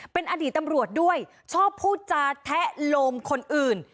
เป็นอดีตตำรวจด้วยชอบพูดจาแทะโลมคนอื่น